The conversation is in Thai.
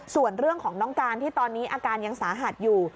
ส่วนเรื่องของน้องการที่ตอนนี้อาการยังสาหัสอยู่